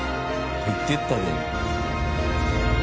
入っていったで今。